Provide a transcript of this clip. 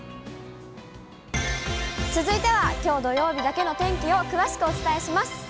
続いては、きょう土曜日だけの天気を詳しくお伝えします。